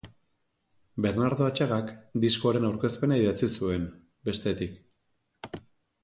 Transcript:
Bernardo Atxagak diskoaren aurkezpena idatzi zuen, bestetik.